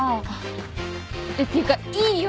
えっていうかいいよ